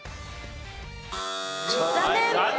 残念！